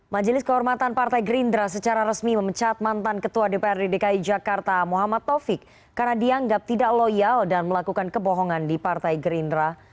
majelis kehormatan partai gerindra secara resmi memecat mantan ketua dprd dki jakarta muhammad taufik karena dianggap tidak loyal dan melakukan kebohongan di partai gerindra